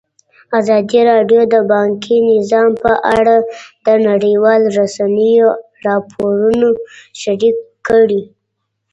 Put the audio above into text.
ازادي راډیو د بانکي نظام په اړه د نړیوالو رسنیو راپورونه شریک کړي.